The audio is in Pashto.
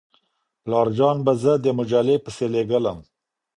پلارجان به زه د مجلې پسې لېږلم.